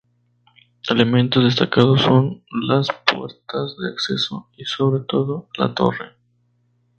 Elementos destacados son las puertas de acceso y, sobre todo, la torre.